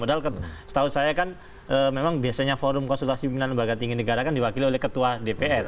padahal setahu saya kan memang biasanya forum konsultasi pimpinan lembaga tinggi negara kan diwakili oleh ketua dpr